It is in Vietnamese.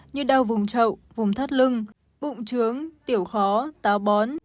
như đau vùng trậu vùng thắt lưng bụng trướng tiểu khó táo bón